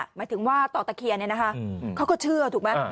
หมายถึงว่าต่อตะเคียนเนี่ยนะคะเขาก็เชื่อถูกไหม